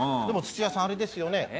でも土屋さんあれですよね。